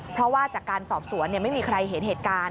เพราะว่าจากการสอบสวนไม่มีใครเห็นเหตุการณ์